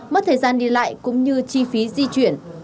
mất thời gian đi lại cũng như chi phí di chuyển